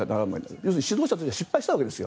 要するに指導者として失敗したわけですよ。